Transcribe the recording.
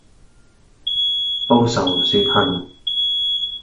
報仇雪恨